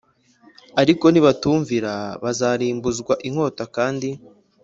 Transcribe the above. Ariko nibatumvira bazarimbuzwa inkota Kandi